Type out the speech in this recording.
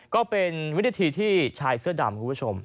ก็เป็นวินาทีที่ชายเสื้อดำคุณผู้ชม